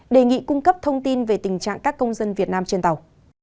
đề nghị cung cấp thông tin về tình trạng các công dân việt nam trên tàu